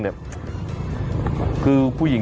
จัดกระบวนพร้อมกัน